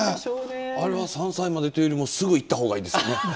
あれは３歳までというよりもすぐ行ったほうがいいですよね。